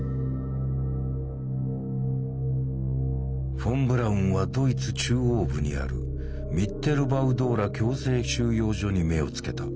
フォン・ブラウンはドイツ中央部にあるミッテルバウ＝ドーラ強制収容所に目をつけた。